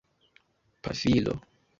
pafilo